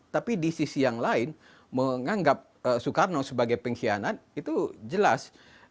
tapi di sisi yang lain menganggap soekarno sebagai pengkhianat itu jelas